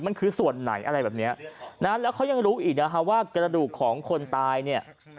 มันคือส่วนไหนอะไรแบบเนี้ยนะแล้วเขายังรู้อีกนะฮะว่ากระดูกของคนตายเนี่ย